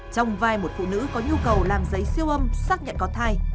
trong vai một phụ nữ có nhu cầu làm giấy siêu âm xác nhận có thai